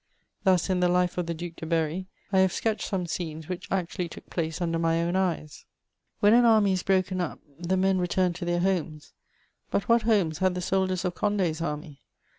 Thus, in the '< Life of the Due de Berry," I have sketched some scenes which actually todc place under my own eyes :—^' When an army is broken up, the men return to their homes; but what homes had the soldiers of Condi's army?